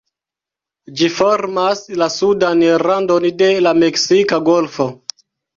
Ĝi formas la sudan randon de la Meksika Golfo.